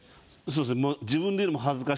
そうですね